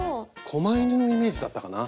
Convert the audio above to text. こま犬のイメージだったかな？